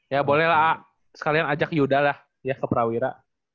ya bolehlah sekalian ajak yudah lah ya ke prawira